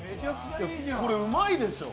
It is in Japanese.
これ、うまいでしょ！